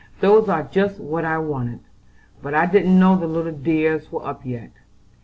"Those are just what I wanted, but I didn't know the little dears were up yet!